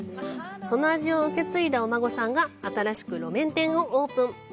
その味を受け継いだお孫さんが新しく路面店をオープン。